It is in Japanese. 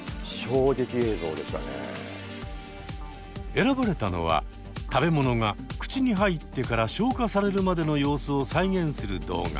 選ばれたのは食べ物が口に入ってから消化されるまでの様子を再現する動画。